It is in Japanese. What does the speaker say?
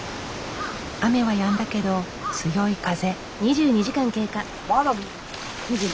雨はやんだけど強い風。